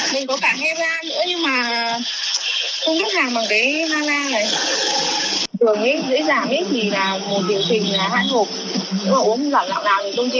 mình có cả he ra nữa nhưng mà